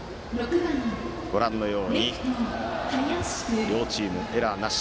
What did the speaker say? ご覧のように両チームエラーなし。